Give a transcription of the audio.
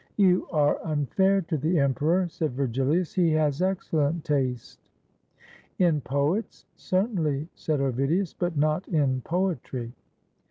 "You are unfair to the emperor," said Vergilius; "he has excellent taste." 415 ROME "in poets certainly," said Ovidius, "but not in poetry."